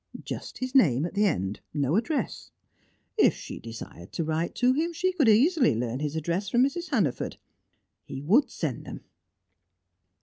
Just his name at the end; no address. If she desired to write to him, she could easily learn his address from Mrs. Hannaford. He would send them!